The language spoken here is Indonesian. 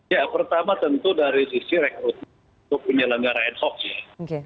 ya pertama tentu dari sisi rekrutasi